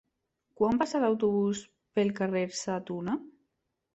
Quan passa l'autobús pel carrer Sa Tuna?